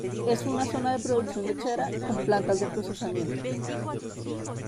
Es una zona de producción lechera, con plantas de procesamiento.